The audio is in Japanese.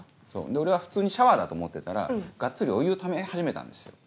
俺は普通にシャワーだと思ってたらガッツリお湯をため始めたんですよ。